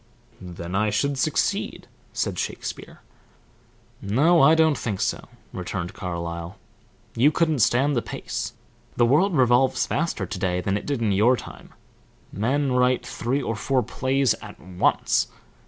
"Then I should succeed," said Shakespeare. "No, I don't think so," returned Carlyle. "You couldn't stand the pace. The world revolves faster to day than it did in your time men write three or four plays at once.